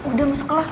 udah masuk kelas